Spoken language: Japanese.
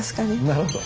なるほど。